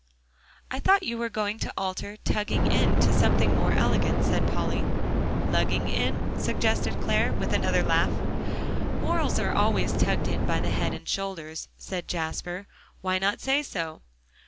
"I thought you were going to alter 'tugging in' to something more elegant," said Polly. "Lugging in," suggested Clare, with another laugh. "Morals are always tugged in by the head and shoulders," said Jasper. "Why not say so?"